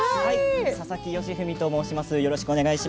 佐々木芳史と申します。